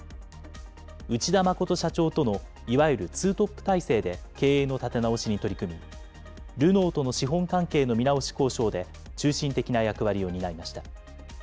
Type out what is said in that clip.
内田誠社長とのいわゆるツートップ体制で経営の立て直しに取り組み、ルノーとの資本関係の見直し交渉で、中心的な役割を担いました。